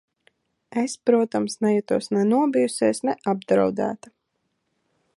Es, protams, nejutos ne nobijusies, ne apdraudēta.